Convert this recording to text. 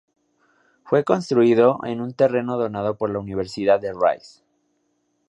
Fue construido en un terreno donado por la "Universidad de Rice".